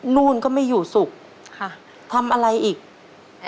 นู่นก็ไม่อยู่สุขทำอะไรอีกค่ะ